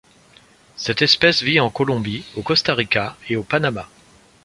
Cette espèce vit en Colombie, au Costa Rica et au Panama.